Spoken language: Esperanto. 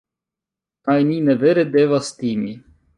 kaj ni ne vere devas timi